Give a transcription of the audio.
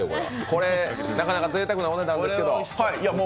これ、なかなかぜいたくなお値段ですけれども。